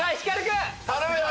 頼むよ！